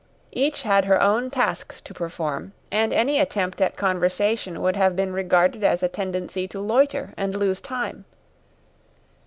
Each had her own tasks to perform, and any attempt at conversation would have been regarded as a tendency to loiter and lose time.